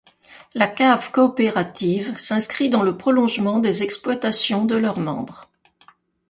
La cave coopérative s'inscrit dans le prolongement des exploitations de leurs membres.